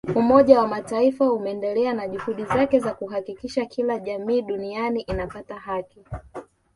Umoja wa Mataifa umeendelea na juhudi zake za kuhakikisha kila jamii duniani inapata haki